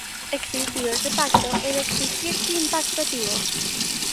Existiu ese pacto e, de existir, que impacto tivo?